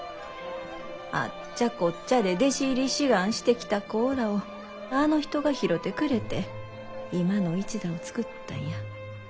あっちゃこっちゃで弟子入り志願してきた子ぉらをあの人が拾てくれて今の一座を作ったんや。